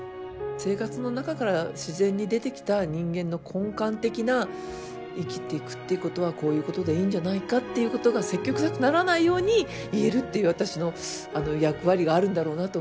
生活の中から自然に出てきた人間の根幹的な生きていくっていうことはこういうことでいいんじゃないかっていうことが説教臭くならないように言えるっていう私の役割があるんだろうなと思うんですよね。